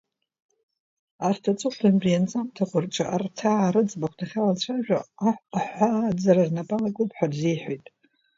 Аха аҵыхәтәантәи ианҵамҭақәа рҿы арҭаа рыӡбахә дахьалацәажәо аҳәааӡара рнапы алакуп ҳәа рзиҳәеит.